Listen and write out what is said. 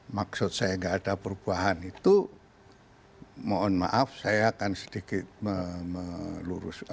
maksud saya gak ada perubahan itu mohon maaf saya akan sedikit meluruskan